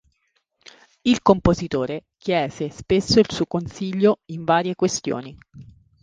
Il compositore chiese spesso il suo consiglio in varie questioni.